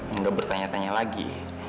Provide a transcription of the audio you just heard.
enggak bertanya tanya lagi